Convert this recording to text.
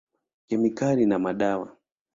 Kemikali na madawa.